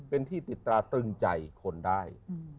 เป็นที่ติดตราตึงใจคนได้